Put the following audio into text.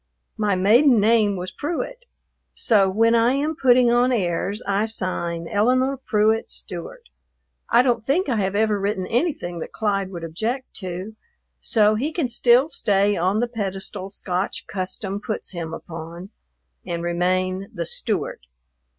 My maiden name was Pruitt, so when I am putting on airs I sign Elinore Pruitt Stewart. I don't think I have ever written anything that Clyde would object to, so he can still stay on the pedestal Scotch custom puts him upon and remain "the Stewart."